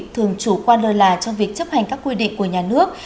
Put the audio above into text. thường chủ quan lơ là trong việc chấp hành các quy định của nhà nước